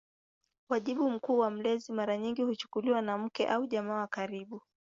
Wajibu mkuu wa mlezi mara nyingi kuchukuliwa na mke au jamaa wa karibu.